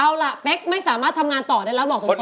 เอาล่ะเป๊กไม่สามารถทำงานต่อได้แล้วบอกตรง